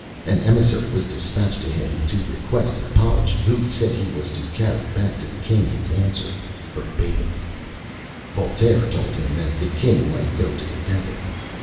An emissary was despatched to him to request an apology, who said he was to carry back to the king his answer verbatim. Voltaire told him that "the king might go to the devil!"